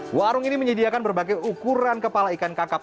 warung ini menyediakan berbagai ukuran kepala ikan kakap